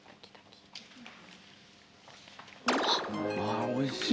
ああおいしい。